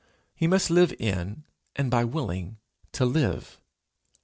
He must live in and by willing to live.